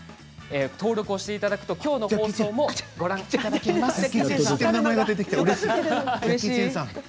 登録していただくときょうの放送もご覧いただくことかできます。